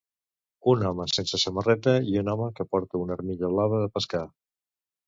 Un home sense samarreta i un home que porta una armilla blava de pescar.